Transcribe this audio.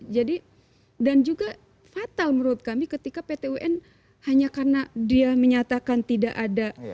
dan juga fatal menurut kami ketika pt un hanya karena dia menyatakan tidak ada